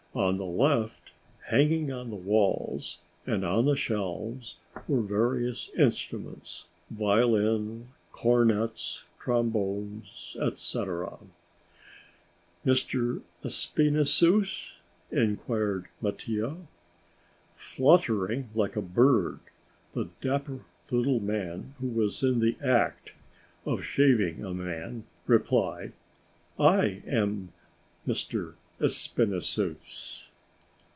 On the left, hanging on the walls and on the shelves, were various instruments, violins, cornets, trombones, etc. "Monsieur Espinassous?" inquired Mattia. Fluttering like a bird, the dapper little man, who was in the act of shaving a man, replied: "I am Monsieur Espinassous."